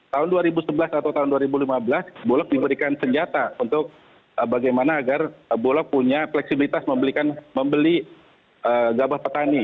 tahun dua ribu sebelas atau tahun dua ribu lima belas bulog diberikan senjata untuk bagaimana agar bulog punya fleksibilitas membeli gabah petani